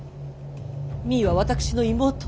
実衣は私の妹。